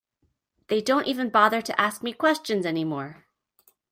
They don't even bother to ask me questions any more.